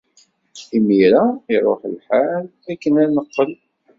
Imir-a, iṛuḥ lḥal akken ad neqqel.